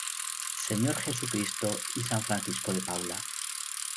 Sr. Jesucristo y San Francisco de Paula.